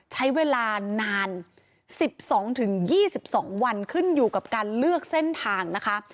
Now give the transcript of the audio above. ใช้เวลานาน๑๒๒วันขึ้นอยู่กับการเลือกเส้นทางนะคะ